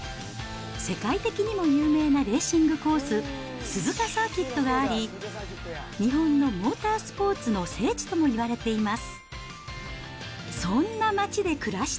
世界的にも有名なレーシングコース、鈴鹿サーキットがあり、日本のモータースポーツの聖地ともいわれています。